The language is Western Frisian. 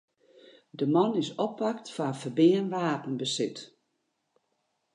De man is oppakt foar ferbean wapenbesit.